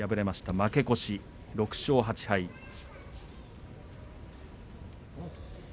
負け越し６勝８敗です。